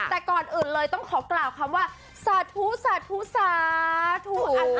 แต่ก่อนอื่นเลยต้องขอกล่าวคำว่าสาธุสาธุสาธุ